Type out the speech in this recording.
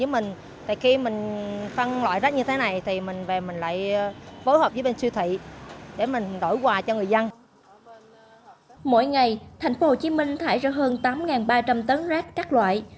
mỗi ngày tp hcm thải ra hơn tám ba trăm linh tấn rác các loại